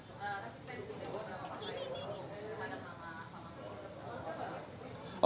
tidak ada sama sekali